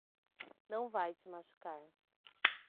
Não vai te machucar.